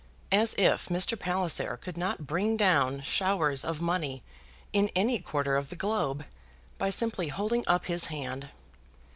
As if Mr. Palliser could not bring down showers of money in any quarter of the globe by simply holding up his hand.